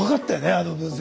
あの分析。